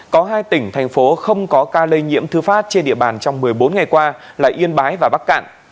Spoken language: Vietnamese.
có hai tỉnh thành phố không có ca lây nhiễm thư phát trên địa bàn trong một mươi bốn ngày qua là yên bái và bắc cạn